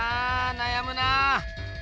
なやむなあ。